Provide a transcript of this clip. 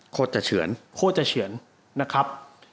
โคตรเฉือนโคตรเฉือนนะครับ